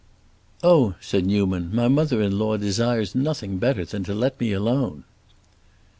"Oh," said Newman, "my mother in law desires nothing better than to let me alone."